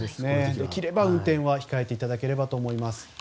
できれば運転は控えていただければと思います。